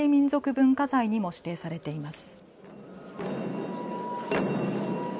文化財にも指定されています。